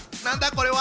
これは。